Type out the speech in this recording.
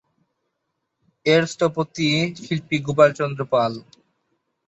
এর স্থপতি শিল্পী গোপাল চন্দ্র পাল।